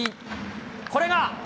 これが。